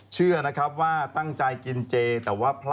เชื่อว่าตั้งใจกินเจย์